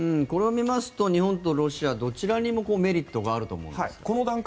これを見ますと日本とロシアどちらにもメリットがあると思うんですが。